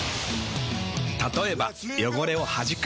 たとえば汚れをはじく。